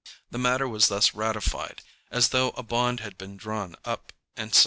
The matter was thus ratified, as though a bond had been drawn up and signed.